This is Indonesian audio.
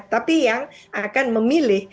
tapi yang akan memilih